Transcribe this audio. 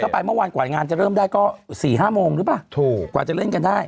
ไปเมื่อวานกว่างานจะเริ่มได้ก็๔๕โมงหรือเปล่าถูกกว่าจะเล่นกันได้